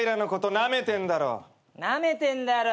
なめてんだろ？